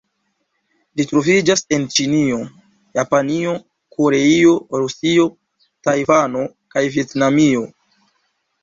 Ĝi troviĝas en Ĉinio, Japanio, Koreio, Rusio, Tajvano kaj Vjetnamio.